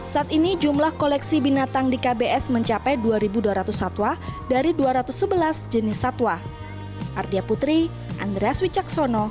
saat ini jumlah koleksi binatang di kbs mencapai dua dua ratus satwa dari dua ratus sebelas jenis satwa